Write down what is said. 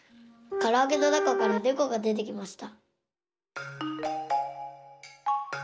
からあげのなかからねこがでてきました。